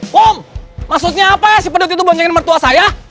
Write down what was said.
kum maksudnya apa ya si pedet itu goncengin mertua saya